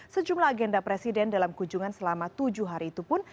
sejumlah agenda presiden dalam kunjungan selama tujuh hari itu pun